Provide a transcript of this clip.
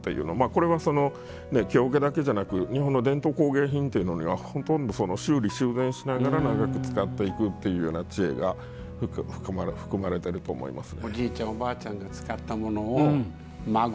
これは、木桶だけじゃなく日本の伝統工芸品っていうのは修理などをしながら長く使っていくっていう知恵が含まれていると思います。